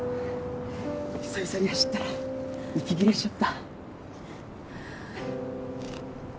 久々に走ったら息切れしちゃった。